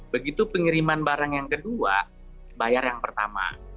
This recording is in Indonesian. begitu pengiriman barang yang kedua bayar yang pertama